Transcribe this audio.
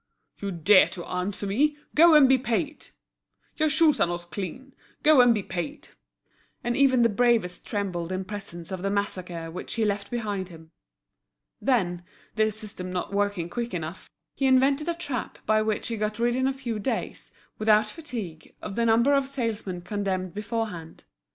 "You dare to answer me; go and be paid!" "Your shoes are not clean; go and be paid!" And even the bravest trembled in presence of the massacre which he left behind him. Then, this system not working quick enough, he invented a trap by which he got rid in a few days, without fatigue, of the number of salesmen condemned beforehand.